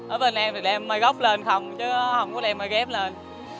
ở bên em thì đem mai gốc lên không chứ không có đem mai ghép lên